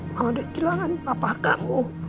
mama udah kehilangan papa kamu